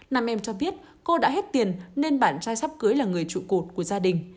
nam em cho biết cô đã hết tiền nên bạn trai sắp cưới là người trụ cột của gia đình